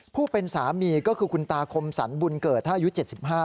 ผู้เป็นสามีก็คือคุณตาคมสรรบุญเกิดท่ายุทธ์๗๕